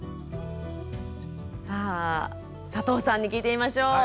さあ佐藤さんに聞いてみましょう。